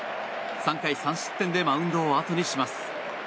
３回３失点でマウンドを後にします。